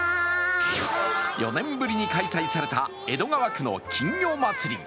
４年ぶりに開催された江戸川区の金魚まつり。